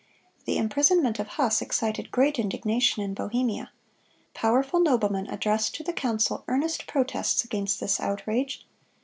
The imprisonment of Huss excited great indignation in Bohemia. Powerful noblemen addressed to the council earnest protests against this outrage.